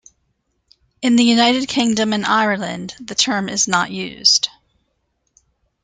In the United Kingdom and Ireland, the term is not used.